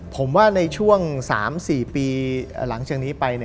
ผมว่าในช่วง๓๔ปีหลังจากนี้ไป